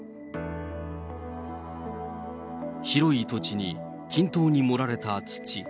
広い土地に均等に盛られた土。